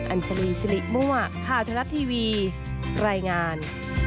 อัญชลีสิริมั่วข่าวทะลัดทีวีรายงาน